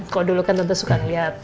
kalau dulu kan tante suka ngeliat